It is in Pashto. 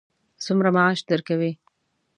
څومره معاش درکوي.